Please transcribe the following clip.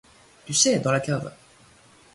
tu sais Dans la cave.